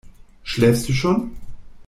Schläfst du schon?